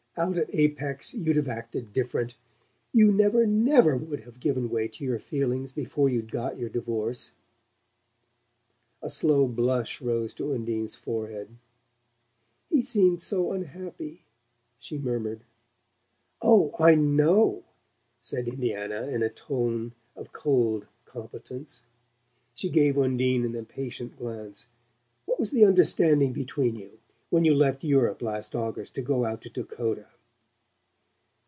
Out at Apex you'd have acted different. You never NEVER would have given way to your feelings before you'd got your divorce." A slow blush rose to Undine's forehead. "He seemed so unhappy " she murmured. "Oh, I KNOW!" said Indiana in a tone of cold competence. She gave Undine an impatient glance. "What was the understanding between you, when you left Europe last August to go out to Dakota?"